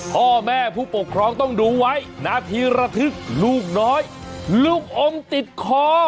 พ่อแม่ผู้ปกครองต้องดูไว้นาทีระทึกลูกน้อยลูกอมติดคอ